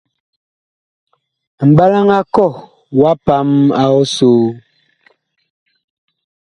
Mɓalaŋ a kɔh wa pam ɔsoo.